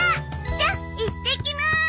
じゃあいってきます！